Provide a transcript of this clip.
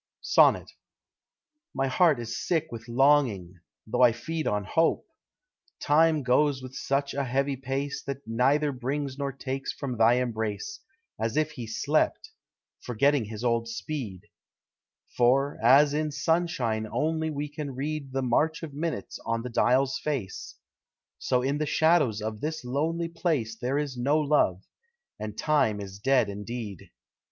SONNET. My heart is sick with longing, tho' I feed On hope; Time goes with such a heavy pace That neither brings nor takes from thy embrace, As if he slept forgetting his old speed: For, as in sunshine only we can read The march of minutes on the dial's face, So in the shadows of this lonely place There is no love, and Time is dead indeed.